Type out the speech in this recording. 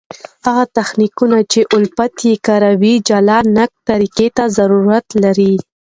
هغه تخنیکونه، چي الفت ئې کاروي جلا نقد طریقي ته ضرورت لري.